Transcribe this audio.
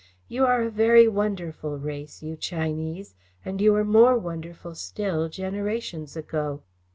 You are a very wonderful race, you Chinese, and you were more wonderful still, generations ago."